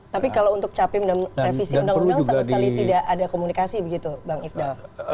tapi kalau untuk capim dan revisi undang undang sama sekali tidak ada komunikasi begitu bang ifdal